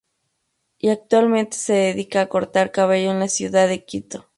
Y actualmente se dedica a cortar cabello en la ciudad de Quito.